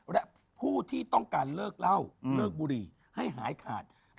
และผู้ที่ต้องการเลิกเหล้าเลิกบุหรี่ให้หายขาด